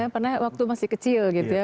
karena waktu masih kecil gitu ya